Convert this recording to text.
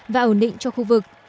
và ổn định cho khu vực